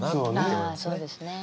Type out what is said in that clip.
あそうですね。